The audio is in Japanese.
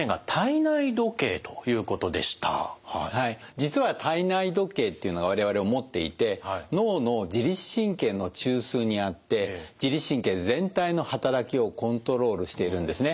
実は体内時計っていうのを我々は持っていて脳の自律神経の中枢にあって自律神経全体の働きをコントロールしているんですね。